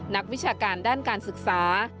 นักวิชาการด้านการศึกษา